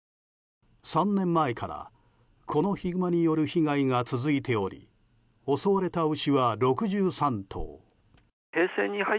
３年前から、このヒグマによる被害が続いており襲われた牛は６３頭。